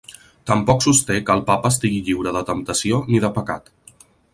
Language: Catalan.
Tampoc sosté que el papa estigui lliure de temptació ni de pecat.